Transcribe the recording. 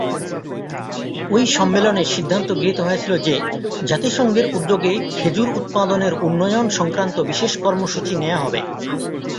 ঐ সম্মেলনে সিদ্ধান্ত গৃহীত হয়েছিল যে, জাতিসংঘের উদ্যোগে খেজুর উৎপাদনের উন্নয়ন সংক্রান্ত বিশেষ কর্মসূচী নেয়া হবে।